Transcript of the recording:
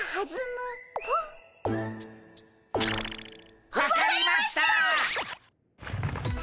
分かりましたっ！